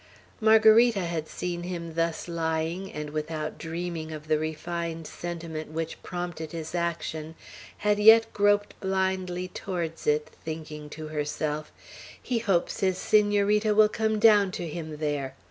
Margarita had seen him thus lying, and without dreaming of the refined sentiment which prompted his action, had yet groped blindly towards it, thinking to herself: "He hopes his Senorita will come down to him there.